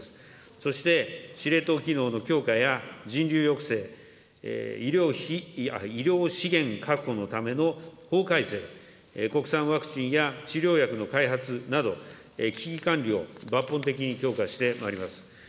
そして、司令塔機能の強化や人流抑制、医療資源確保のための法改正、国産ワクチンや治療薬の開発など、危機管理を抜本的に強化してまいります。